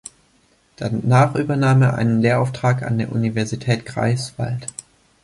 Danach übernahm er einen Lehrauftrag an der Universität Greifswald.